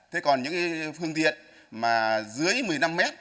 thế còn những phương tiện mà dưới một mươi năm mét